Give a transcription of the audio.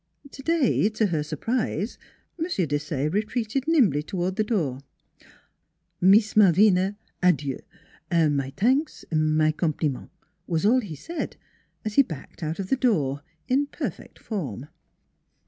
Today, to her surprise, M. Desaye re treated nimbly toward the door: " Mees Malvina, adieu! my t'anks, my com pliment !" was all he said, as he backed out of the door, in perfect form.